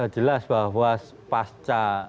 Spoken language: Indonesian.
jelas bahwa pasca